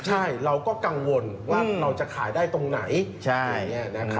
ใช่เราก็กังวลว่าเราจะขายได้ตรงไหน